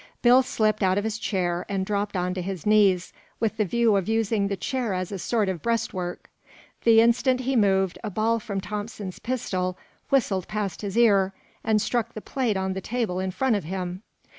Bill slipped out of his chair and dropped onto his knees, with the view of using the chair as a sort of breastwork. The instant he moved, a ball from Thompson's pistol whistled passed his ear, and struck the plate on the table in front of him.